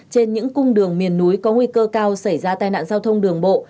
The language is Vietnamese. trên những cung đường miền núi có nguy cơ cao xảy ra tai nạn giao thông đường bộ